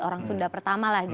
orang sunda pertama